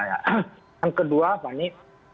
yang kedua fani